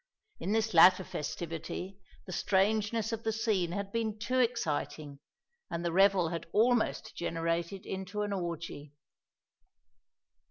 In this latter festivity the strangeness of the scene had been too exciting, and the revel had almost degenerated into an orgy.